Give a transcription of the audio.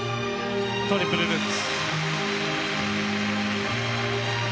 トリプルルッツ。